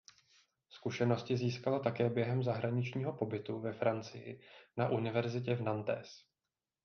Zkušenosti získala také během zahraničního pobytu ve Francii na univerzitě v Nantes.